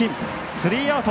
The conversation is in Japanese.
スリーアウト。